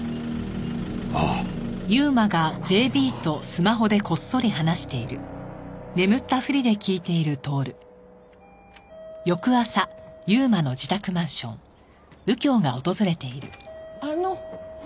あっあの。